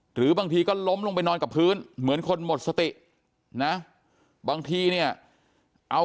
หรือบางทีก็ล้มลงไปนอนกับพื้นเหมือนคนหมดสตินะบางทีเนี่ยเอา